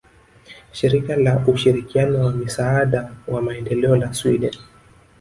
Shirika la Ushirikiano wa Misaada wa Maendeleo la Sweden